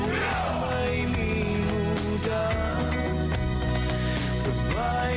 สุดท้ายสุดท้าย